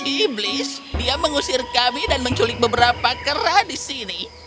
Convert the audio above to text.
iblis dia mengusir kami dan menculik beberapa kera di sini